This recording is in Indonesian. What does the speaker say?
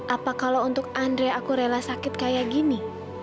apa kalau untuk andre aku rela sakit kayak gini